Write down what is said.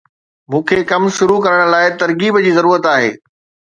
مون کي ڪم شروع ڪرڻ لاءِ ترغيب جي ضرورت آهي